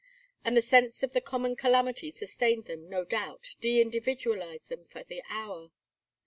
And the sense of the common calamity sustained them, no doubt, deindividualized them for the hour.